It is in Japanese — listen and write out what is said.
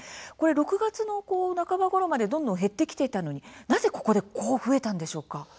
６月の半ばごろまでどんどん減ってきていたのになぜ、ここでこう増えたんでしょうか。